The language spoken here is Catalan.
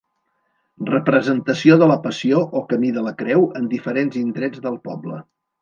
Representació de la Passió o Camí de la Creu en diferents indrets del poble.